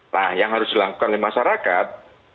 nah yang harus dilakukan oleh masyarakat